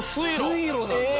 水路なんだ。